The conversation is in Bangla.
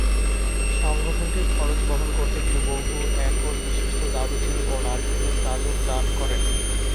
সংগঠনটির খরচ বহন করতে তিনি বহু-একরবিশিষ্ট দারুচিনি ও নারকেলের তালুক দান করেন।